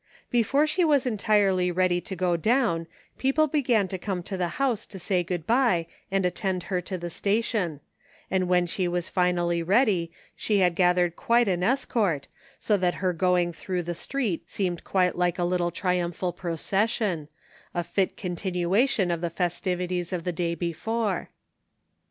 Before she was entirely ready to go down people began to come to the house to say good bye and attend her to the station, and when she was finally ready she had gathered quite an escort so that her going through the street seemed quite like a little triumphal procession, a fit continuation of the festivities of the day before.